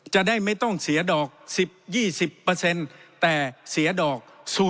จะได้ไม่ต้องเสียดอก๑๐๒๐แต่เสียดอก